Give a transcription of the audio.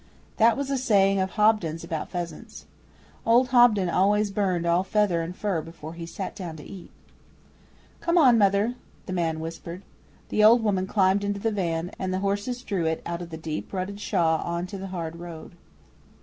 That was a saying of Hobden's about pheasants. Old Hobden always burned all feather and fur before he sat down to eat. 'Come on, mother,' the man whispered. The old woman climbed into the van, and the horses drew it out of the deep rutted shaw on to the hard road.